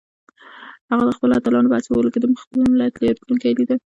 هغه د خپلو اتلانو په هڅو کې د خپل ملت راتلونکی لیده.